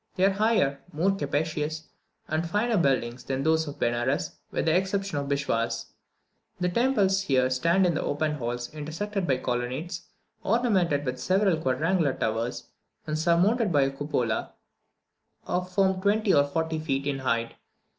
They are higher, more capacious, and finer buildings than those of Benares, with the exception of the Bisvishas. The temples here stand in open halls, intersected by colonnades, ornamented with several quadrangular towers, and surmounted by a cupola of from twenty to forty feet in height.